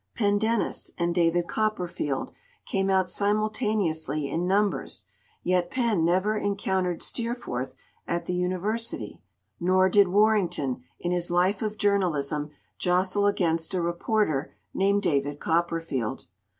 "Pendennis" and "David Copperfield" came out simultaneously in numbers, yet Pen never encountered Steerforth at the University, nor did Warrington, in his life of journalism, jostle against a reporter named David Copperfield.